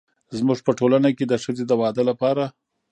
زموږ په ټولنه کې د ښځې د واده لپاره